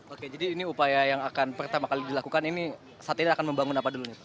oke jadi ini upaya yang akan pertama kali dilakukan ini saat ini akan membangun apa dulu nih